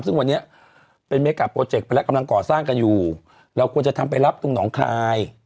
ซึ่งวันนี้เป็นเมกาโปรเจกต์ไปแล้วกำลังก่อสร้างกันอยู่เราควรจะทำไปรับตรงหนองคาย